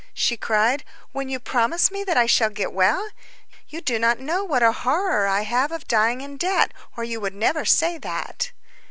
she cried, "when you promise me that I shall get well? You do not know what a horror I have of dying in debt, or you would never say that."